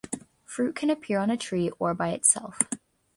Fruit can appear on a tree, or by itself.